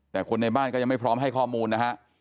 แต่คนในบ้านก็ยังไม่พร้อมให้ข้อมูลนะฮะ